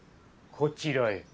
こちらへ。